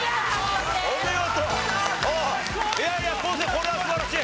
これは素晴らしい。